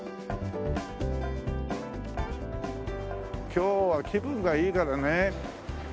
今日は気分がいいからね。